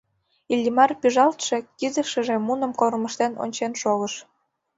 Иллимар пӱжалтше кидешыже муным кормыжтен ончен шогыш.